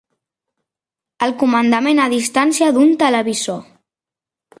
El comandament a distància d'un televisor.